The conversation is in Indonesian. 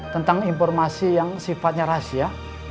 tentang informasi yang sifatnya rahasia